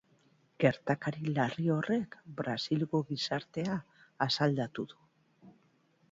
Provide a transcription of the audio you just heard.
Gertakari larri horrek brasilgo gizartea asaldatu du.